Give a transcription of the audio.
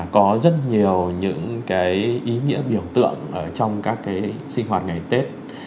có rất nhiều những cái ý nghĩa biểu tượng ở trong các cái sinh hoạt ngày tết